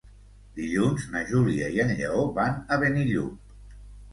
Dilluns na Júlia i en Lleó van a Benillup.